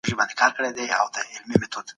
که خاوند د هغې په سفر يا ددوی په رضا موافق نه وو.